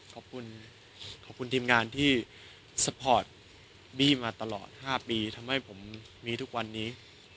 ขอบคุณทีมงานที่กำหนดบีมา๕ปีทำให้ผมมีแรงดีทุกวันนี้